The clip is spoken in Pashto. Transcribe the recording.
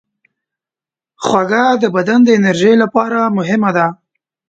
خوږه د بدن د انرژۍ لپاره مهمه ده.